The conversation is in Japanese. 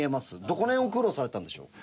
どこの辺を苦労されたんでしょう？